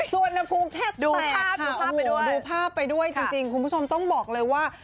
ส่วนนภูมิแทบดูภาพไปด้วยจริงคุณผู้ชมต้องบอกเลยว่า